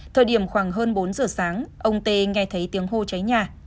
thời điểm khoảng hơn bốn giờ sáng ông tê nghe thấy tiếng hô cháy nhà